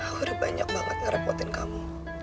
ah udah banyak banget ngerepotin kamu